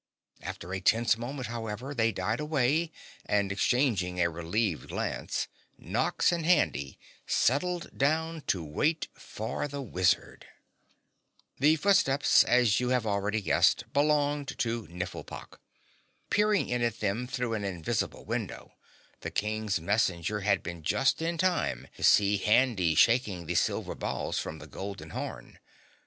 After a tense moment, however, they died away, and exchanging a relieved glance, Nox and Handy settled down to wait for the wizard. The footsteps, as you have already guessed, belonged to Nifflepok. Peering in at them through an invisible window, the King's messenger had been just in time to see Handy shaking the silver balls from the golden horn.